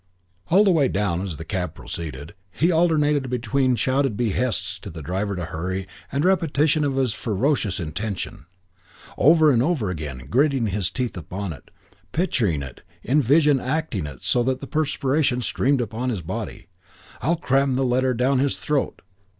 All the way down as the cab proceeded, he alternated between shouted behests to the driver to hurry and repetition of his ferocious intention. Over and over again; gritting his teeth upon it; picturing it; in vision acting it so that the perspiration streamed upon his body. "I'll cram the letter down his throat.